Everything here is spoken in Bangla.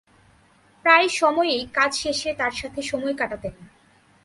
প্রায় সময়েই কাজ শেষে তার সাথে সময় কাটাতেন।